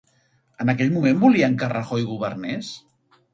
En aquell moment volien que Rajoy governés?